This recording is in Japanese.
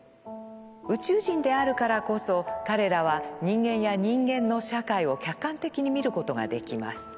宇宙人であるからこそ彼らは人間や人間の社会を客観的に見ることができます。